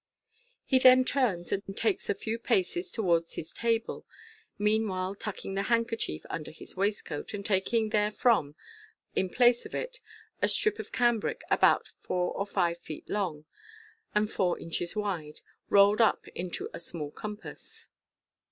He then turns, and takes a few paces towards his table, meanwhile tucking the handkerchief under his waistcoat, and taking therefrom in place of it a strip of cambric, about four or five feet long and four inches wide, rolled up into a small compass.